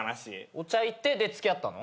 お茶行ってで付き合ったの？